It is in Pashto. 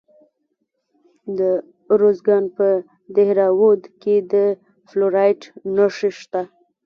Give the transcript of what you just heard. د ارزګان په دهراوود کې د فلورایټ نښې شته.